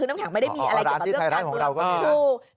มันยังไม่ได้มีอะไรเกี่ยวกับเรื่องการเมือง